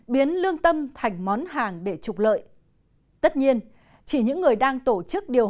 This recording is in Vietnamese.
biến lương tâm thành món hàng để trục lợi tất nhiên chỉ những người đang tổ chức điều